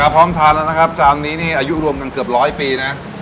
พร้อมทานแล้วนะครับจานนี้นี่อายุรวมกันเกือบร้อยปีนะ